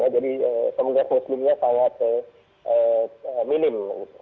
jadi komunitas muslimnya sangat minim